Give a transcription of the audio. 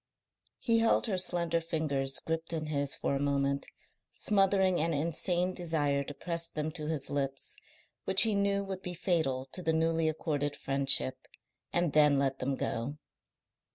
He held her slender fingers gripped in his for a moment, smothering an insane desire to press them to his lips, which he knew would be fatal to the newly accorded friendship, and then let them go.